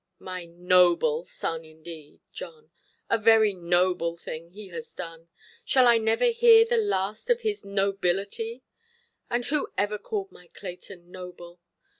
"My noble son indeed, John! A very noble thing he has done. Shall I never hear the last of his nobility? And who ever called my Clayton noble?